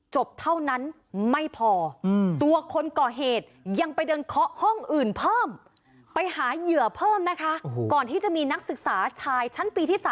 จบเท่านั้นไม่พอตัวคนก่อเหตุยังไปเดินเคาะห้องอื่นเพิ่มไปหาเหยื่อเพิ่มนะคะก่อนที่จะมีนักศึกษาชายชั้นปีที่๓